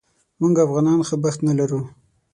موږ افغانان ښه بخت نه لرو